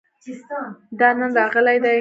دا نن راغلی دی